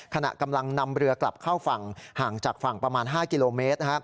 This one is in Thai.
ขณะกำลังนำเรือกลับเข้าฝั่งห่างจากฝั่งประมาณ๕กิโลเมตร